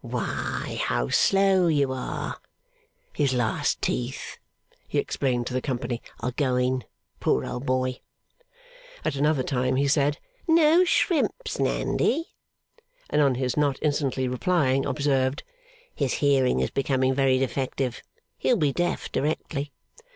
Why, how slow you are! (His last teeth,' he explained to the company, 'are going, poor old boy.') At another time, he said, 'No shrimps, Nandy?' and on his not instantly replying, observed, ['His hearing is becoming very defective. He'll be deaf directly.